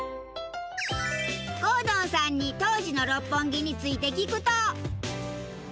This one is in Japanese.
ゴードンさんに当時の六本木について聞くと。